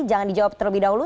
jangan dijawab terlebih dahulu